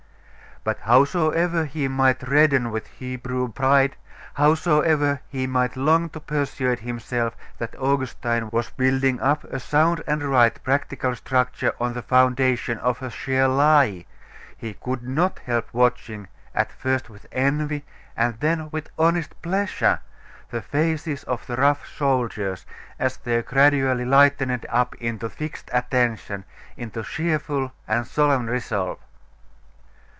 But, howsoever he might redden with Hebrew pride; howsoever he might long to persuade himself that Augustine was building up a sound and right practical structure on the foundation of a sheer lie; he could not help watching, at first with envy, and then with honest pleasure, the faces of the rough soldiers, as they gradually lightened up into fixed attention, into cheerful and solemn resolve.